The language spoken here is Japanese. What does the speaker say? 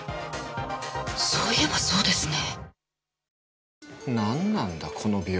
そういえばそうですね。